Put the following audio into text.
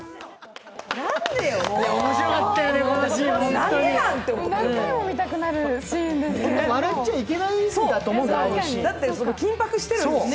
何回も見たくなるシーンですね。